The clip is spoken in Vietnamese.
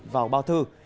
vào bao thư